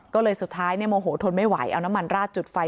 ก็เลยสุดท้ายโมโหทนไม่ไหวเอาน้ำมันราดจุดไฟ